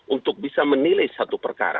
untuk bisa menilai satu perkara